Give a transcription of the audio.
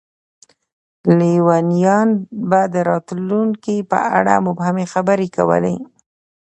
لیونیان به د راتلونکي په اړه مبهمې خبرې کولې.